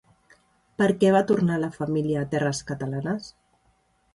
Per què va tornar la família a terres catalanes?